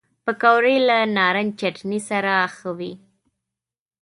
پکورې له نارنج چټني سره ښه وي